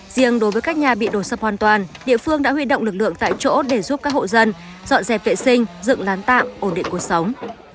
riêng đối với các nhà bị đổ sập hoàn toàn địa phương đã huy động lực lượng tại chỗ để giúp các hộ dân dọn dẹp vệ sinh dựng lán tạm ổn định cuộc sống